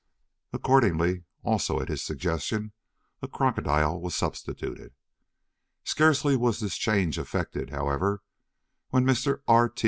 Accordingly, also at his suggestion, a crocodile was substituted. Scarcely was this change effected, however, when Mr. R.